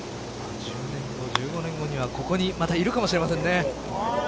１０年後、１５年後にまたここにいるかもしれませんもんね。